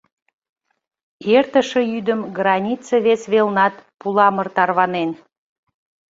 Эртыше йӱдым граница вес велнат пуламыр тарванен.